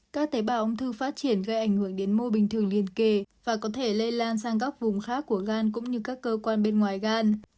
các tế bào ung thư phát triển gây ảnh hưởng đến môi bình thường liên kề và có thể lây lan sang các vùng khác của gan cũng như các cơ quan bên ngoài gan